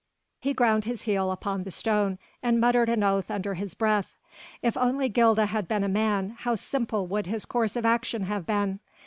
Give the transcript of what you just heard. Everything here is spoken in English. He ground his heel upon the stone and muttered an oath under his breath. If only Gilda had been a man how simple would his course of action have been.